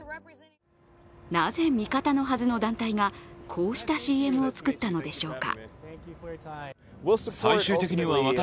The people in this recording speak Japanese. なぜ、味方のはずの団体がこうしたＣＭを作ったのでしょうか。